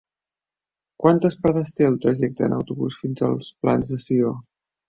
Quantes parades té el trajecte en autobús fins als Plans de Sió?